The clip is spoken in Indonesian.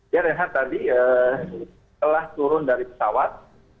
ya reinhard tadi telah turun dari pesawat